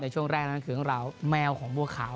ช่วงแรกนั้นคือเรื่องราวแมวของบัวขาว